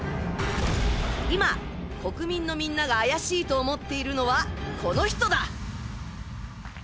今、国民のみんなが怪しいと思っているのは、この人だ。